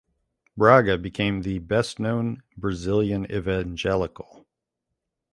Braga became the best known Brazilian evangelical.